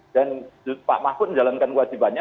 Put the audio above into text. dan pak mahku menjalankan kewajibannya